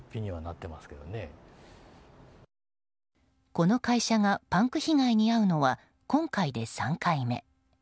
この会社がパンク被害に遭うのは今回で３回目。